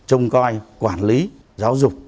trông coi quản lý giáo dục